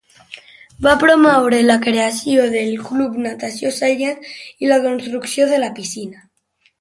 Va promoure la creació del Club Natació Sallent i la construcció de la piscina.